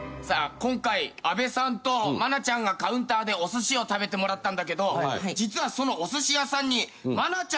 今回阿部さんと愛菜ちゃんがカウンターでお寿司を食べてもらったんだけど実は。